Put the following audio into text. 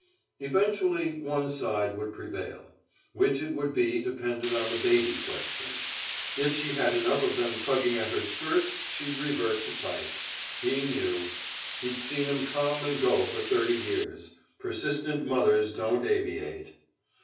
Eventually one side would prevail. Which it would be depended on the baby question. If she had enough of them tugging at her skirts she'd revert to type. He knew. He'd seen 'em come and go for thirty years. Persistent mothers don't aviate.